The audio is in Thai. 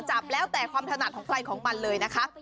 จับแล้วแต่ความถนัดของใครของมันเลยนะคะ